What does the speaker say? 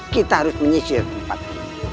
kita harus menyisir tempat